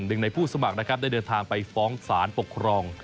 หนึ่งในผู้สมัครนะครับได้เดินทางไปฟ้องสารปกครอง